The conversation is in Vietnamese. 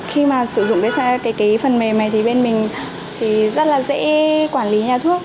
khi sử dụng phần mềm này thì bên mình rất dễ quản lý nhà thuốc